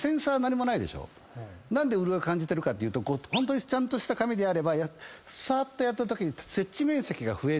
何で潤い感じてるかっていうとちゃんとした髪ならさーっとやったときに。